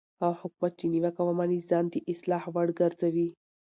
هغه حکومت چې نیوکه ومني ځان د اصلاح وړ ګرځوي